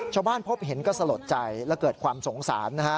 ชาวบ้านพบเห็นก็สลดใจและเกิดความสงสาร